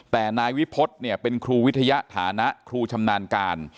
แต่นายวิพฤษเนี่ยเป็นครูวิทยาฐานะครูชำนาญการ